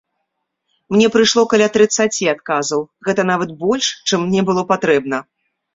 Мне прыйшло каля трыццаці адказаў, гэта нават больш, чым мне было патрэбна.